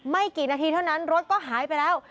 กี่นาทีเท่านั้นรถก็หายไปแล้ว